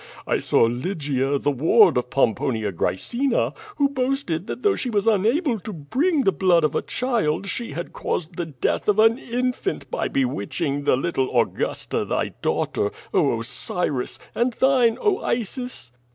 I saw Lygia, the ward of Pomponia Grae cina, who boasted that though she was unable to bring the blood of a child she had caused the death of an infant by be witching the little Augusta thy daughter. Oh Osiris, and thine. Oh Isis!"